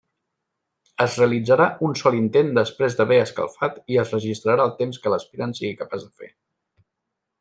Es realitzarà un sol intent després d'haver escalfat i es registrarà el temps que l'aspirant sigui capaç de fer.